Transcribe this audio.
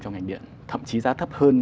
cho ngành điện thậm chí giá thấp hơn